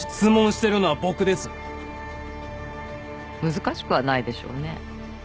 難しくはないでしょうね。